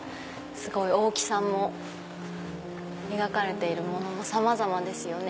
大きさも描かれているものもさまざまですよね。